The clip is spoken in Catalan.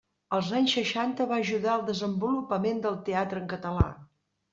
Els anys seixanta va ajudar al desenvolupament del teatre en català.